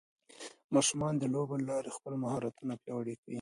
ماشومان د لوبو له لارې خپل مهارتونه پیاوړي کوي.